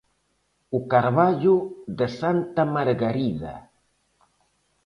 O carballo de Santa Margarida.